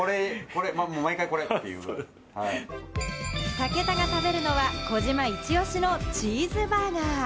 武田が食べるのは児嶋イチオシのチーズバーガー。